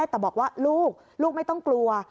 แต่บอกว่าลูกลูกไม่ต้องกลัว